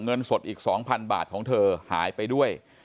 เงินสดอีก๒๐๐๐บาทของเธอหายไปด้วย